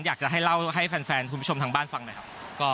อยากจะให้เล่าให้แฟนคุณผู้ชมทางบ้านฟังหน่อยครับ